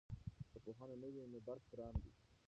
که پوهه نه وي نو درک ګران دی.